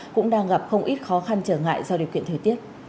cũng đang gặp không ít khó khăn trở ngại do điều kiện thời tiết